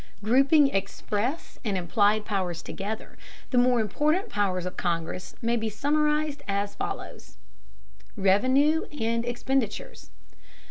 Grouping express and implied powers together, the more important powers of Congress may be summarized as follows: Revenue and expenditures.